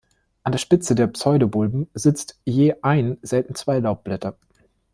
An der Spitze der Pseudobulben sitzt je ein, selten zwei Laubblätter.